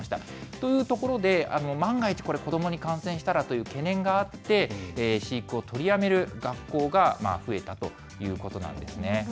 というところで、万が一、これ、子どもに感染したらという懸念があって、飼育を取りやめる学校が増えたということなんですね。